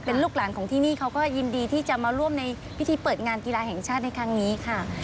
เป็นลูกหลานของที่นี่เขาก็ยินดีที่จะมาร่วมในพิธีเปิดงานกีฬาแห่งชาติในครั้งนี้ค่ะ